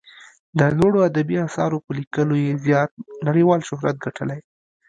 د لوړو ادبي اثارو په لیکلو یې زیات نړیوال شهرت ګټلی.